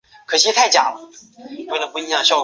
栽培山黧豆是一种豆科植物。